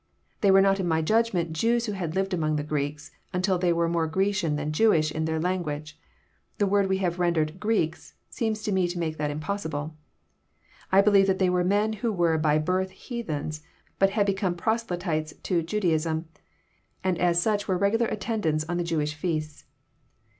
— They were not in my judgment Jews who had lived among Greeks until they were more Grecian than Jewish in their language. The word we have rendered Greeks seems to me to make that impossible. — I believe they were men who were by birth heathens, but had become proselytes to Judaism, and as such were regular attendants on the Jewish feasts.